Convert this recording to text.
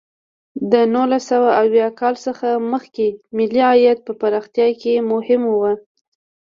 د نولس سوه اویا کال څخه مخکې ملي عاید په پرمختیا کې مهم و.